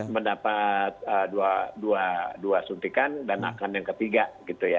mendapat dua suntikan dan akan yang ketiga gitu ya